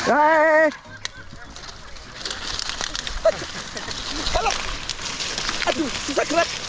aduh susah keras